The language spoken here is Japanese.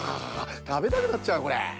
たべたくなっちゃうこれ。